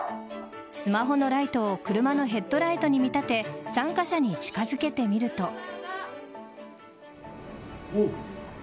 スマホのライトを車のヘッドライトに見立て参加者に近づけてみると。